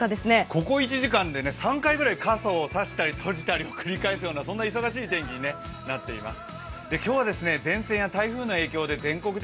ここ１時間で３回ぐらい傘を差したり閉じたりと繰り返すような、そんな忙しい天気になっています。